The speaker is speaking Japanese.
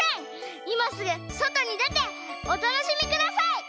いますぐそとにでておたのしみください！